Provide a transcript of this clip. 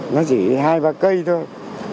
nó chỉ hai ba cây thôi